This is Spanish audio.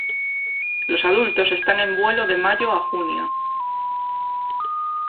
Los adultos están en vuelo de mayo a junio.